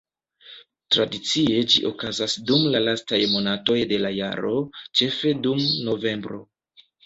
Tradicie ĝi okazas dum la lastaj monatoj de la jaro, ĉefe dum novembro.